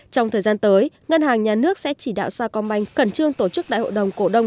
trong thời gian tới ngân hàng nhà nước sẽ chỉ đạo sao công banh cẩn trương tổ chức đại hội đồng cổ đông